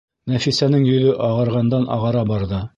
Нәфисәнең йөҙө ағарғандан-ағара барҙы.